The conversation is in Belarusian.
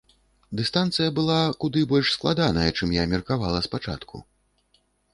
Дыстанцыя была куды больш складаная, чым я меркавала спачатку.